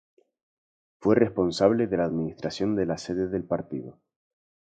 Fue responsable de la administración de la sede del partido.